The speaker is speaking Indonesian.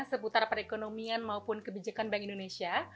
seputar perekonomian maupun kebijakan bank indonesia